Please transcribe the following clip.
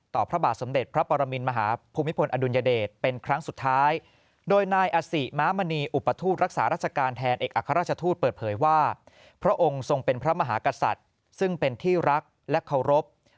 ต่อพระบาทสมเด็จพระประมีนมหาภูมิภูมิอดุลยเดชเป็นครั้งสุดท้าย